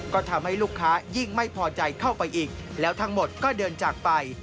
ก็ทำให้ลูกค้ายิ่งไม่พอใจเข้าไปอีกแล้วทั้งหมดก็เดินจากไป